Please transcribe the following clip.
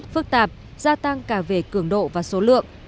phức tạp gia tăng cả về cường độ và số lượng